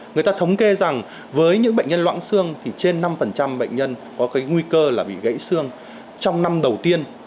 người ta thống kê rằng với những bệnh nhân loãng xương thì trên năm bệnh nhân có cái nguy cơ là bị gãy xương trong năm đầu tiên